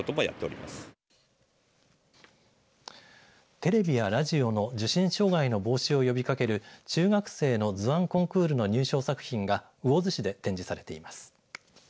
テレビやラジオの受信障害の防止を呼びかける中学生の図案コンクールの入賞作品が魚津市で展示されています。